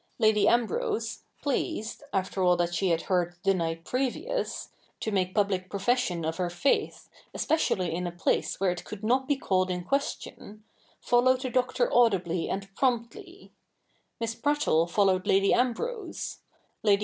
Lady Ambrose, pleased, after all that she had heard the night previous, io make public profession of her faith, especially in a place where it could not be called in question, followed the Doctor audibly and promptly ; Miss Prattle followed Lady Ambrose ; Lady 88 THE NEW REPUBLIC [kk.